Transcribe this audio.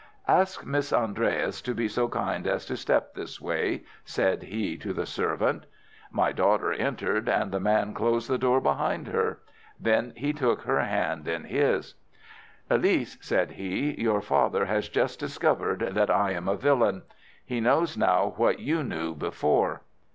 "'Ask Miss Andreas to be so kind as to step this way,' said he to the servant. "My daughter entered, and the man closed the door behind her. Then he took her hand in his. "'Elise,' said he, 'your father has just discovered that I am a villain. He knows now what you knew before.